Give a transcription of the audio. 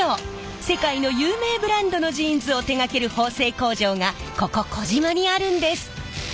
世界の有名ブランドのジーンズを手がける縫製工場がここ児島にあるんです。